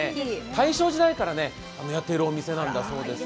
大正時代からやっているお店なんだそうです。